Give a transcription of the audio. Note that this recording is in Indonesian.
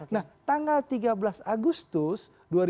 nah tanggal tiga belas agustus dua ribu dua puluh